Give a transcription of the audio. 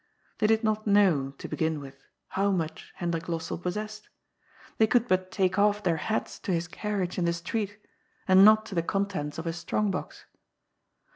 They did not know, to begin with, how much Hendrik Lossell possessed. They could but take o£F their hats to his carriage in the street, and not to the contents of his strong box.